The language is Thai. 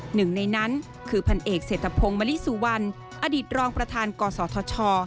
หนึ่งในนั้นคือพันเอกเศรษฐพงศ์มลิสุวรรณอดีตรองประธานกศธช